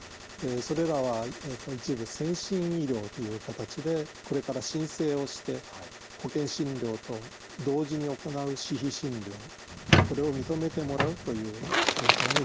それらは一部先進医療という形でこれから申請をして保険診療と同時に行う私費診療これを認めてもらうという形態になると思います。